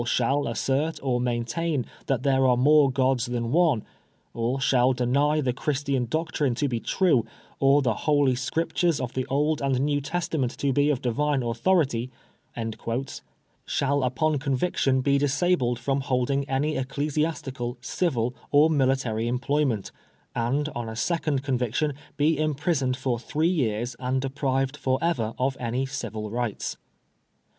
shall assert or maintain there are more gods than one, or shall deny the Christian doctrine to be true, or the Holy Scriptures of the Old and New Testament to be of divine authority," shall upon conviction be dis abled from holding any ecclesiastical, civil, or military employment, and on a second conviction be imprisoned for three years and deprived for ever of all civil rights.